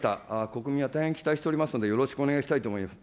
国民は大変期待しておりますので、よろしくお願いしたいと思います。